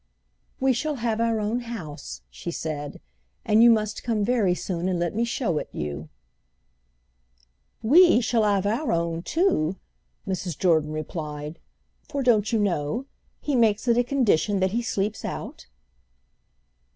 "We shall have our own house," she said, "and you must come very soon and let me show it you." "We shall have our own too," Mrs. Jordan replied; "for, don't you know? he makes it a condition that he sleeps out?"